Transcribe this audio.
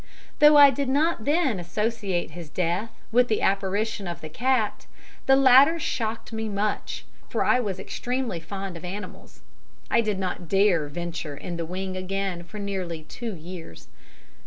Though I did not then associate his death with the apparition of the cat, the latter shocked me much, for I was extremely fond of animals. I did not dare venture in the wing again for nearly two years.